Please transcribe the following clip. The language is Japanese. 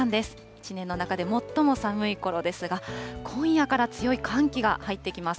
一年の中で最も寒いころですが、今夜から強い寒気が入ってきます。